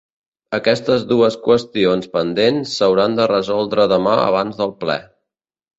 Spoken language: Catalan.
Aquestes dues qüestions pendents s’hauran de resoldre demà abans del ple.